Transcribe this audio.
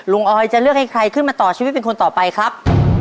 ออยจะเลือกให้ใครขึ้นมาต่อชีวิตเป็นคนต่อไปครับ